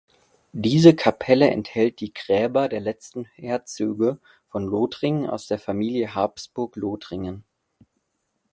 Diese Kapelle enthält die Gräber der letzten Herzöge von Lothringen aus der Familie Habsburg-Lothringen.